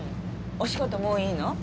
お仕事もういいの？